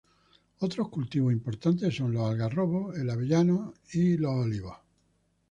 Otros cultivos importantes son los algarrobos, avellanos y olivos.